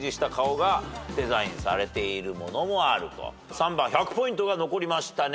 ３番１００ポイントが残りましたね。